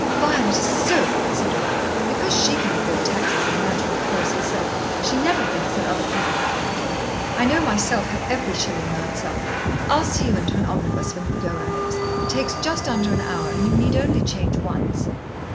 "Violet is so inconsiderate. Because she can afford taxis as a matter of course herself, she never thinks that other people can't. I know myself how every shilling mounts up. I'll see you into an omnibus when you go, Alex. It takes just under an hour, and you need only change once."